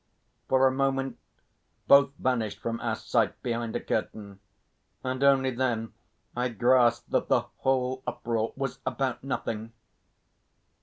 For a moment both vanished from our sight behind a curtain, and only then I grasped that the whole uproar was about nothing.